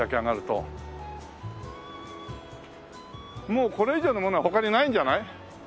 もうこれ以上のものは他にないんじゃない？